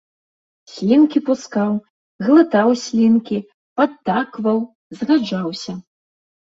Слінкі пускаў, глытаў слінкі, падтакваў, згаджаўся.